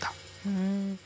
うん。